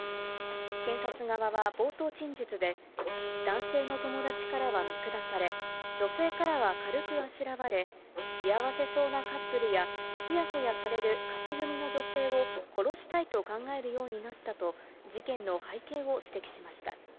検察側は冒頭陳述で、男性の友達からは見下され、女性からは軽くあしらわれ、幸せそうなカップルやちやほやされる勝ち組の女性を殺したいと考えるようになったと、事件の背景を指摘しました。